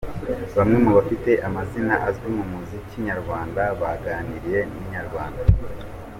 Bamwe mu bafite amazina azwi mu muziki nyarwanda baganiriye na Inyarwanda.